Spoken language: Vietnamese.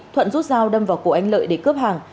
thuận rút dao đâm vào cổ anh lợi để cướp hàng